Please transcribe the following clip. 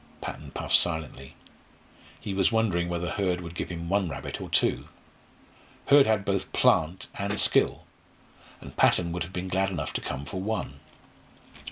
Patton puffed silently. He was wondering whether Hurd would give him one rabbit or two. Hurd had both "plant" and skill, and Patton would have been glad enough to come for one.